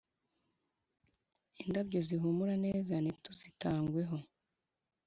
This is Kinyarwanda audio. indabyo zihumura neza ntituzitangweho,